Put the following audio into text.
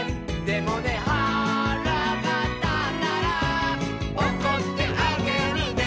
「でもねはらがたったら」「おこってあげるね」